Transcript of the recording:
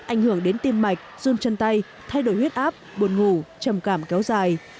ảnh hưởng đến tim mạch run chân tay thay đổi huyết áp buồn ngủ trầm cảm kéo dài